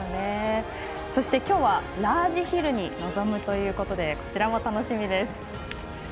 そして今日はラージヒルに臨むということでこちらも楽しみです。